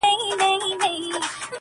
سمه مشوره د ستونزو په حل کې مرسته کوي.